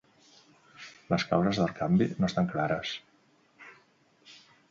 Les causes del canvi no estan clares.